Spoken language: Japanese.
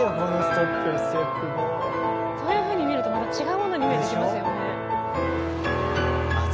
そういうふうに見るとまた違うものに見えてきますよね。